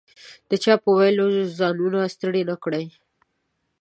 د چا په ویلو ځانونه ستړي نه کړو.